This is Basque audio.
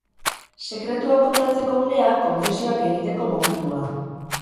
Sekretuak kontatzeko unea, konfesioak egiteko momentua.